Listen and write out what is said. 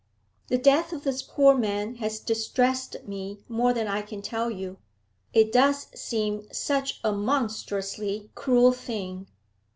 The death of this poor man has distressed me more than I can tell you; it does seem such a monstrously cruel thing.